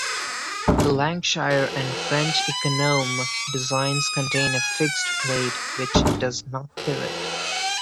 The Lancashire and French "Econome" designs contain a fixed blade which does not pivot.